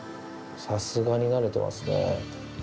さすがに慣れてますね。